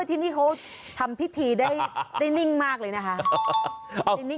ที่นี่เขาทำพิธีได้นิ่งมากเลยนะคะ